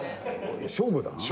勝負だな。